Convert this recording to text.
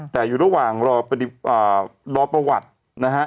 แต่อยู่ระหว่างรอประวัตินะฮะ